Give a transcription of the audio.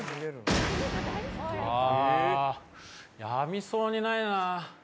あ、やみそうにないな。